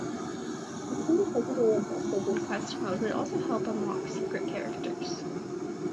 Completing secondary objectives in Quest Mode would also help unlock secret characters.